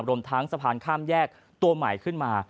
รวมทั้งสะพานข้ามแยกตัวใหม่ขึ้นมา